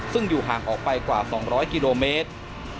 ซึ่งอยู่ห่างออกไปกว่า๒๐๐กิโลเมตร